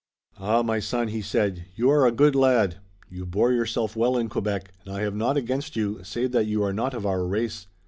"Ah, my son," he said, "you are a good lad. You bore yourself well in Quebec, and I have naught against you, save that you are not of our race."